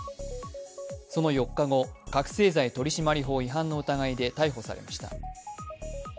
その４日後、覚醒剤取締法違反の疑いで逮捕されました。